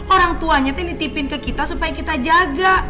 orang tuanya tuh ditipin ke kita supaya kita jaga